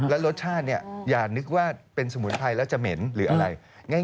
แล้วรสชาติเนี่ยอย่านึกว่าเป็นสมุนไพรแล้วจะเหม็นหรืออะไรง่าย